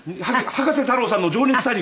葉加瀬太郎さんの『情熱大陸』。